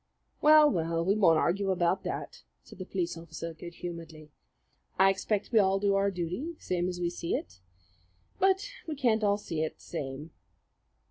"Well, well, we won't argue about that," said the police officer good humouredly. "I expect we all do our duty same as we see it; but we can't all see it the same."